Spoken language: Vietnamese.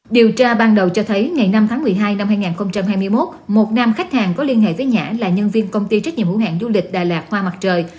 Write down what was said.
điều tra ban đầu cho thấy ngày năm tháng một mươi hai năm hai nghìn hai mươi một một nam khách hàng có liên hệ với nhã là nhân viên công ty trách nhiệm hữu hạng du lịch đà lạt hoa mặt trời